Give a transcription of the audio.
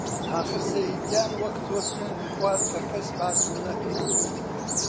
ئاخر سەیادیان وەک تۆ سوێندی خوارد کە کەس باسم نەکا